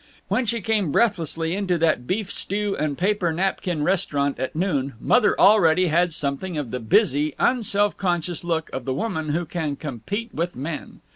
When she came breathlessly into that beef stew and paper napkin restaurant at noon, Mother already had something of the busy, unself conscious look of the woman who can compete with men.